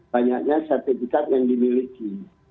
banyaknya sertifikat yang dimiliki